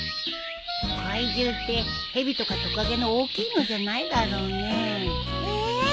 怪獣って蛇とかトカゲの大きいのじゃないだろうね？